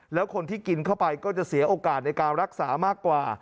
แล้วคนที่กินเข้าไปก็จะเสียโอกาสในการรักษามากกว่า